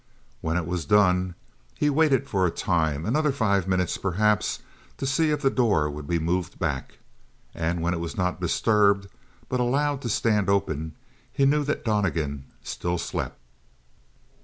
When it was done he waited for a time, another five minutes, perhaps, to see if the door would be moved back. And when it was not disturbed, but allowed to stand open, he knew that Donnegan still slept.